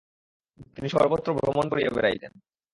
তিনি সর্বত্র ভ্রমণ করিয়া বেড়াইতেন।